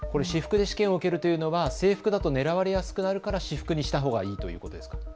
私服で試験を受けるというのは制服だとねらわれやすくなるから私服にしたほうがいいということですか。